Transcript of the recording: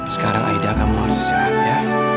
sekarang aida kamu harus sehat ya